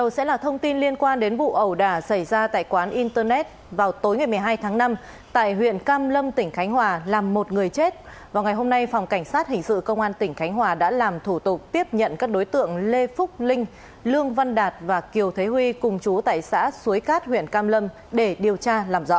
các bạn hãy đăng ký kênh để ủng hộ kênh của chúng mình nhé